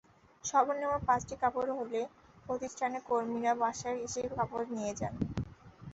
সর্বনিম্ন পাঁচটি কাপড় হলে প্রতিষ্ঠানের কর্মীরা বাসায় এসে কাপড় নিয়ে যান।